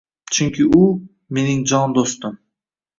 Chunki u – mening jon do‘stim.